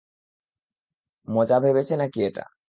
মজা ভেবেছে নাকি এটা?